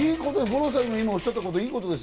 五郎さんが今おっしゃったこと、良いこと。